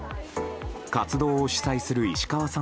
活動を主催する石川さん